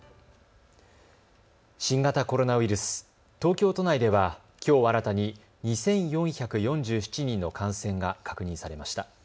新型コロナウイルス、東京都内では、きょう新たに２４４７人の感染が確認されました。